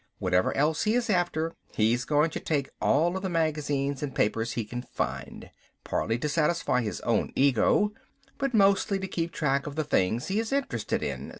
Whatever else he is after, he is going to take all of the magazines and papers he can find. Partly to satisfy his own ego, but mostly to keep track of the things he is interested in.